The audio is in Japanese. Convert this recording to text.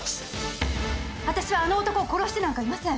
私はあの男を殺してなんかいません。